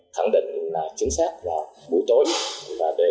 khẳng định là chính xác là buổi tối